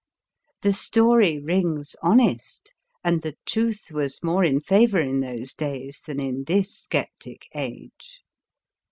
The story rings honest and the truth was more in Introduction favour in those days than in this scep tic age.